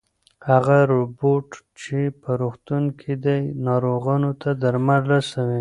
هغه روبوټ چې په روغتون کې دی ناروغانو ته درمل رسوي.